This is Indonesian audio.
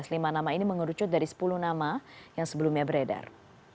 lima nama ini mengerucut dari sepuluh nama yang sebelumnya beredar